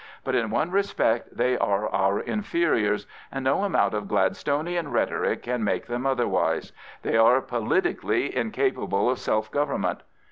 But in one respect they are our inferiors, and no amount of Gladstonian rhetoric can make them otherwise. They are politically incapable of self government.